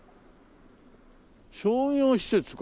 商業施設か。